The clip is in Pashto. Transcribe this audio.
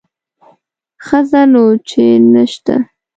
ښه ځه نو چې نه شته.